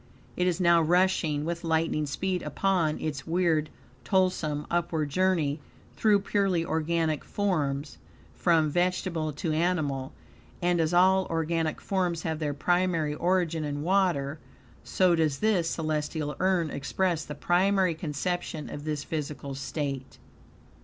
It is now rushing with lightning speed upon its weird, toilsome, upward, journey through purely organic forms, from vegetable to animal; and, as all organic forms have their primary origin in water, so does this celestial urn express the primary conception of this physical state.